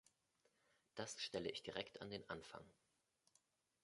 Das stelle ich direkt an den Anfang.